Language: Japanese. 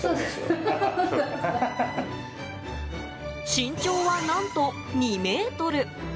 身長は何と２ｍ！